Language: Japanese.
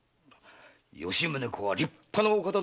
吉宗公は立派なお方だぞ！